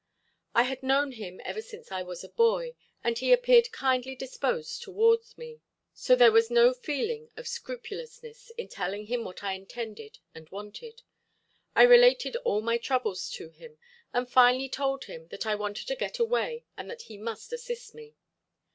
I had known him ever since I was a boy, and he appeared kindly disposed toward me, so there was no feeling of scrupulousness in telling him what I intended and wanted. I related all my troubles to him, and finally told him that I wanted to get away and that he must assist me.